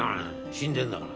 死んでるんだから。